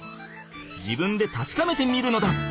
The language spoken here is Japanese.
自分でたしかめてみるのだ！